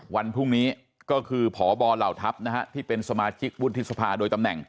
วันพรุ่งนี้ก็คือพบเหล่าทัพนะฮะที่เป็นสมาชิกวุฒิสภาโดยตำแหน่ง